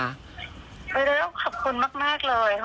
ไม่รู้ขอบคุณมากเลย